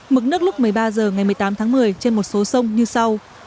mức nước lúc một mươi ba h ngày một mươi tám tháng một mươi trên một số sông như sau